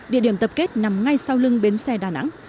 địa điểm tập kết nằm ngay sau lưng bến xe đà nẵng